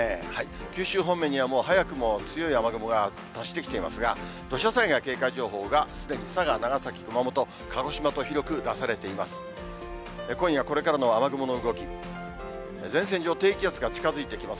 九州方面には、早くも強い雨雲が達してきていますが、土砂災害警戒情報が、すでに佐賀、長崎、熊本、鹿児島と、広く出されています。